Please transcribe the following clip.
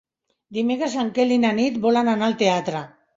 Dimecres en Quel i na Nit volen anar al teatre.